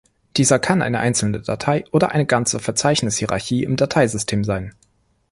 Dieser kann eine einzelne Datei oder eine ganze Verzeichnis-Hierarchie im Dateisystem sein.